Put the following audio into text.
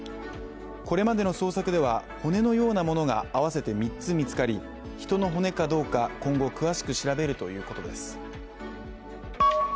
これまでの捜索では、骨のようなものが合わせて３つ見つかり人の骨かどうか今後、詳しく調べるということです。